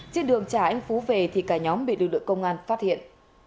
trên đường trà anh phú về thì cả nhóm bị lực lượng công an phát hiện